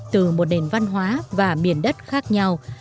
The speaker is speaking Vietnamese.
từ một nền văn hóa và miền đất khác nhau